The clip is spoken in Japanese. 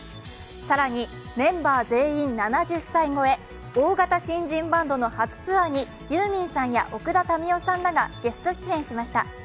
更に、メンバー全員７０歳超え大型新人バンドの初ツアーにユーミンさんや奥田民生さんらがゲスト出演しました。